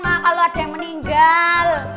nah kalau ada yang meninggal